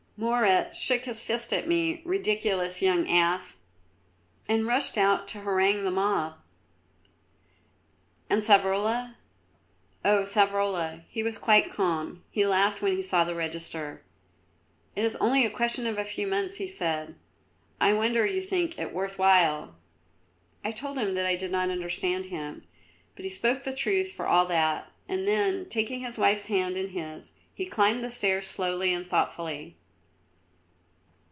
Moret shook his fist at me, ridiculous young ass and rushed out to harangue the mob." "And Savrola?" "Oh, Savrola, he was quite calm; he laughed when he saw the register. 'It is only a question of a few months,' he said; 'I wonder you think it worth while.' I told him that I did not understand him, but he spoke the truth for all that;" and then, taking his wife's hand in his, he climbed the stairs slowly and thoughtfully.